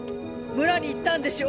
村に行ったんでしょ。